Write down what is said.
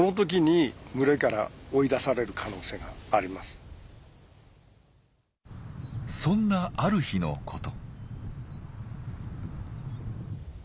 おそらくそんなある日のこと。